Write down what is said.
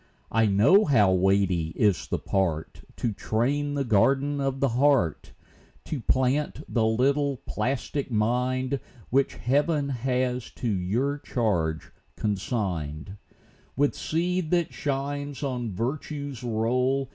I know how weighty is the part To train the garden of the heart, — To plant the little plastic mind, Which Heaven has to your charge consigned, 0 >' 10 TO THE ADULTS. With seed that shines on virtue's roll.